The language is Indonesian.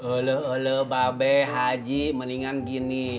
ulu ulu babe haji mendingan gini